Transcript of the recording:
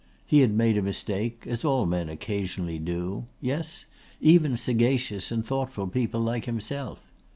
He had made a mistake, as all men occasionally do yes, even sagacious and thoughtful people like himself.